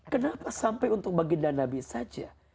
kenapa sampai untuk baginda nabi saja